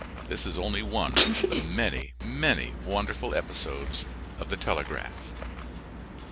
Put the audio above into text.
This is only one of the many, many wonderful episodes of the telegraph.